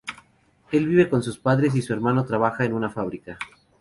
Él vive con sus padres y hermano y trabaja en una fábrica.